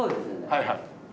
はいはい。